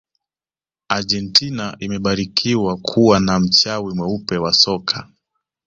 argentina imebarikiwa kuwa na mchawi mweupe wa soka